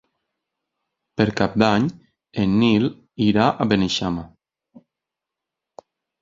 Per Cap d'Any en Nil irà a Beneixama.